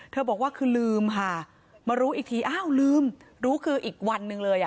บอกว่าคือลืมค่ะมารู้อีกทีอ้าวลืมรู้คืออีกวันหนึ่งเลยอ่ะ